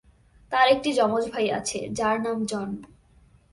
তার একটি জমজ ভাই আছে, যার নাম জন।